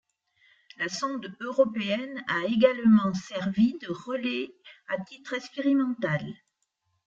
La sonde européenne a également servi de relais à titre expérimental.